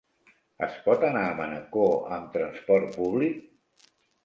Es pot anar a Manacor amb transport públic?